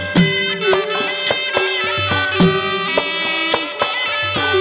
มีชื่อว่าโนราตัวอ่อนครับ